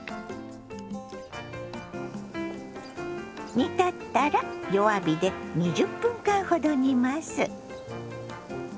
煮立ったら弱火で２０分間ほど煮ます。